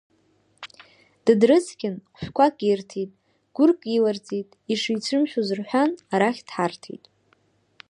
Дыдрыцқьан, хәшәқәак ирҭеит, гәырк иларҵеит, ишицәымшәоз рҳәан, арахь дҳарҭеит.